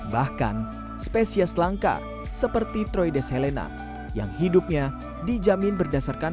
bahkan spesies langka seperti troides helena yang hidupnya dijamin berdasarkan